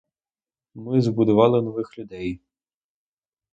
Ми збудували нових людей.